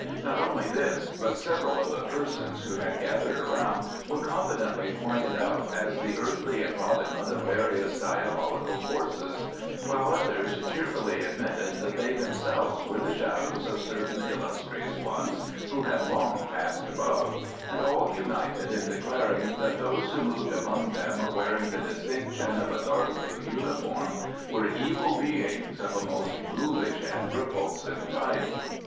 Not only this, but several of the persons who had gathered around were confidently pointed out as the earthly embodiment of various diabolical Forces, while others cheerfully admitted that they themselves were the shadows of certain illustrious ones who had long Passed Above, and all united in declaring that those who moved among them wearing the distinction of a dark blue uniform were Evil Beings of a most ghoulish and repulsive type.